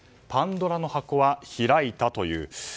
パンドラの箱は開いたという。